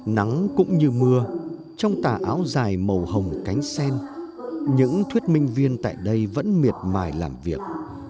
nắng cũng như mưa trong tà áo dài màu hồng cánh sen những thuyết minh viên tại đây vẫn miệt mài làm việc